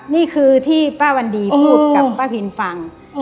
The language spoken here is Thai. นี่คือที่ป้าวันดีพูดกับป้าพินฟัง